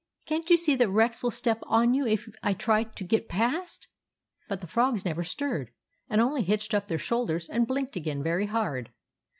Can't you see that Rex will step on you if I try to get past ?" But the frogs never stirred, and only hitched up their shoulders and blinked again very hard.